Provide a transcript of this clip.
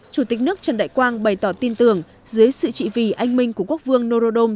chủ tịch nước trần đại quang bày tỏ tin tưởng dưới sự trị vì anh minh của quốc vương norodom